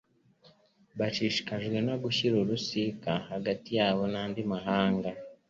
Bashishikajwe no gushyira urusika hagati yabo n'andi mahanga,